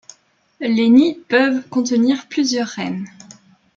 Les nids peuvent contenir plusieurs reines.